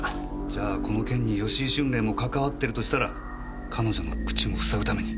じゃあこの件に吉井春麗も関わってるとしたら彼女の口も塞ぐために。